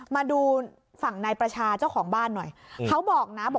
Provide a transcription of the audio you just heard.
มาดูฝั่งนายประชาเจ้าของบ้านหน่อยเขาบอกนะ